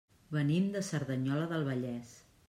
Venim de Cerdanyola del Vallès.